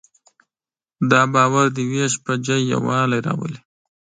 دا باور د وېش پر ځای یووالی راولي.